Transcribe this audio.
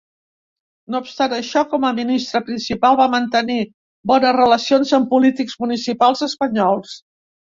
No obstant això, com a ministre principal, va mantenir bones relacions amb polítics municipals espanyols.